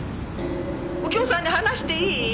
「右京さんに話していい？」